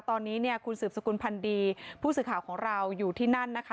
ตอนนี้เนี่ยคุณสืบสกุลพันธ์ดีผู้สื่อข่าวของเราอยู่ที่นั่นนะคะ